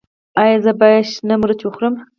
ایا زه باید شنه مرچ وخورم؟